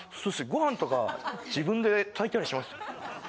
ご飯とか自分で炊いたりします